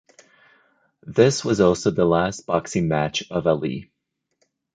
This was also the last boxing match of Ali.